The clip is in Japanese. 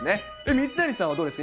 水谷さんはどうですか？